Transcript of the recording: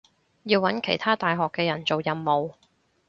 要搵其他大學嘅人做任務